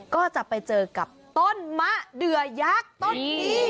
ก็จะไปเจอกับต้นมะเดือยักษ์ต้นนี้